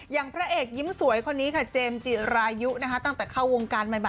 อย่างพระเอกยิ้มสวยคนนี้ค่ะเจมส์จิรายุนะคะตั้งแต่เข้าวงการใหม่